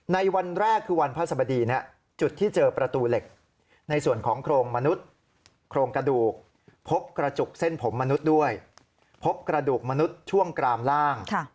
ในวันแรกคือวันพระสบดีจุดที่เจอประตูเหล็กในส่วนของโครงมนุษย์โครงกระดูกพบกระจุกเส้นผมมนุษย์ด้วยพบกระดูกมนุษย์ช่วงกรามล่าง